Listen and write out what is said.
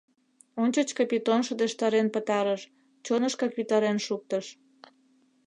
Ончыч Капитон шыдештарен пытарыш, чонышкак витарен шуктыш.